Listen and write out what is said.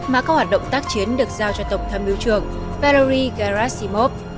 mà các hoạt động tác chiến được giao cho tổng thâm mưu trưởng valery gerasimov